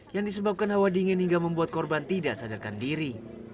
yang disebabkan hawa dingin hingga membuat korban tidak sadarkan diri